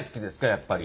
やっぱり。